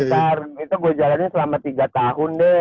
iya itu gue jalannya selama tiga tahun deh